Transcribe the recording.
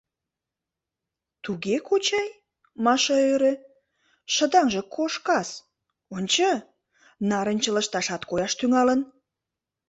— Туге, кочай, — Маша ӧрӧ, — шыдаҥже кошкас... ончо: нарынче лышташат кояш тӱҥалын.